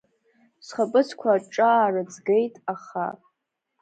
Схапыцқәа аҿҿа аарыҵгеит, аха.